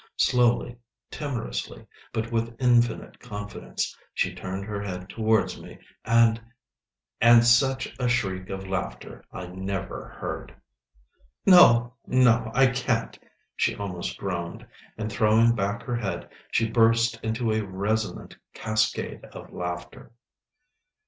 Slowly, timorously, but with infinite confidence, she turned her head towards me, and— And such a shriek of laughter I never heard! "No, no, I can't," she almost groaned, and throwing back her head, she burst into a resonant cascade of laughter.